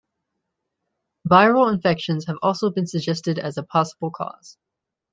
Viral infections have also been suggested as a possible cause.